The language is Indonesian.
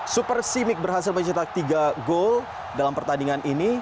super simic berhasil mencetak tiga gol dalam pertandingan ini